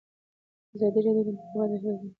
ازادي راډیو د د انتخاباتو بهیر بدلونونه څارلي.